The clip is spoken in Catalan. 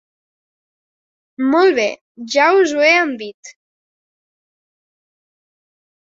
Molt bé, ja us ho he envit.